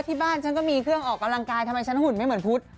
ที่บ้านฉันก็มีเครื่องออกกำลังกายทำไมฉันหุ่นไม่เหมือนพุทธ